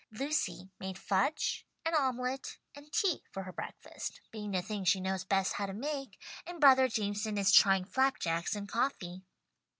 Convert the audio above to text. Lucy made fudge and omelette and tea for her breakfast, being the things she knows best how to make, and brother Jameson is trying flap jacks and coffee."